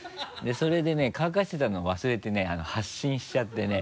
それでね乾かしてたの忘れてね発進しちゃってね。